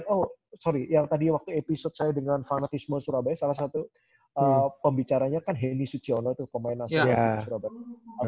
oh maaf yang tadi waktu episode saya dengan fanatismo surabaya salah satu pembicaranya kan heni suciyono itu pemain nasional surabaya